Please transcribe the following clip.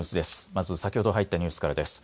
まず先ほど入ったニュースからです。